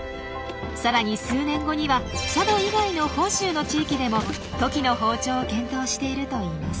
さらに数年後には佐渡以外の本州の地域でもトキの放鳥を検討しているといいます。